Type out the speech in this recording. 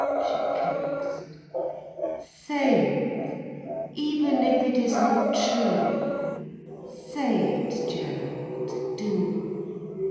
she coaxed. "Say it, even if it isn't true—say it Gerald, do."